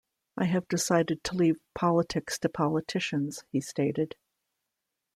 "I have decided to leave politics to politicians," he stated.